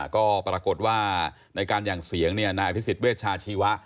ก็ปรากฏว่าในการหั่งเสียงนายอภิษฎเวชาชีวะ